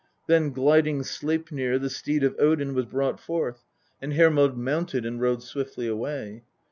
Then gliding Sleipnir, the steed of Odin, was brought forth, and Hermod mounted and rode swiftly away.